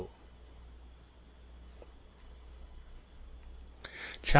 Chap.